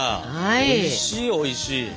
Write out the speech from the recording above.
おいしいおいしい。